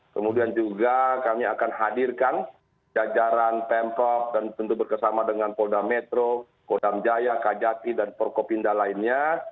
kemudian juga kami akan hadirkan jajaran pemprov dan tentu berkesama dengan polda metro kodam jaya kajati dan porkopinda lainnya